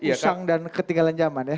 usang dan ketinggalan zaman